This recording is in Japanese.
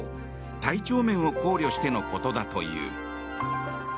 体調面を考慮してのことだという。